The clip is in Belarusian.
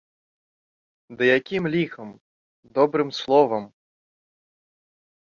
Ды якім ліхам, добрым словам!